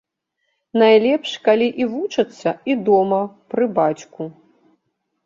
Найлепш, калі і вучацца і дома, пры бацьку.